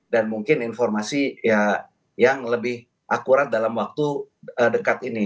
dan mungkin informasi yang lebih akurat dalam waktu dekat ini